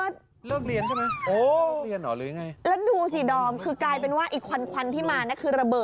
ดิรัวนะครับ